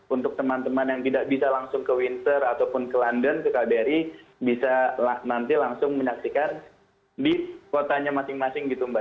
untuk teman teman yang tidak bisa langsung ke windsor ataupun ke london ke kbri bisa nanti langsung menyaksikan di kotanya masing masing gitu mbak